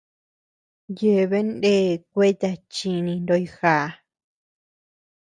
Yeabean ndea kueta chini ndoyo jaa.